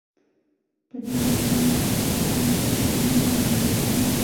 په دې تمه که دې پام شي زما ولور ته